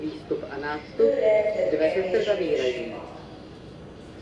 Bőre több-kevésbé sima.